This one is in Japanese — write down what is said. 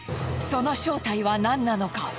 その正体は何なのか？